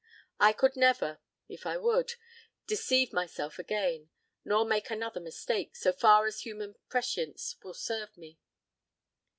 I could never, if I would, deceive myself again, nor make another mistake, so far as human prescience will serve me."